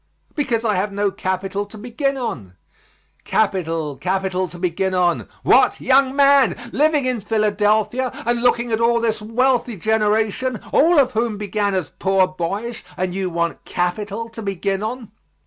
"Because I have no capital to begin on." Capital, capital to begin on! What! young man! Living in Philadelphia and looking at this wealthy generation, all of whom began as poor boys, and you want capital to begin on?